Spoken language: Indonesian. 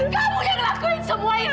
kamu yang ngelakuin semua ini